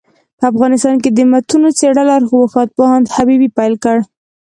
په افغانستان کي دمتونو څېړل ارواښاد پوهاند حبیبي پيل کړ.